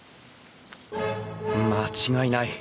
間違いない。